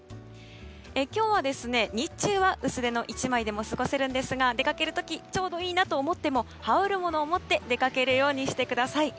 今日は、日中は薄手の１枚でも過ごせるんですが出かける時ちょうどいいなと思っても羽織るものを持って出かけるようにしてください。